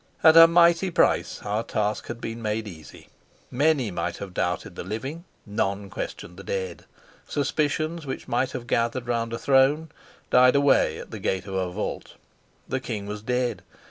At a mighty price our task had been made easy; many might have doubted the living, none questioned the dead; suspicions which might have gathered round a throne died away at the gate of a vault. The king was dead.